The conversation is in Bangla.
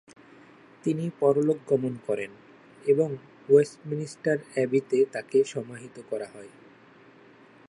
তিনি পরলোক গমন করেন এবং ওয়েস্টমিনিস্টার অ্যাবিতে তাকে সমাহিত করা হয়।